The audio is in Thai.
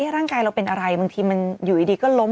ร่างกายเราเป็นอะไรบางทีมันอยู่ดีก็ล้ม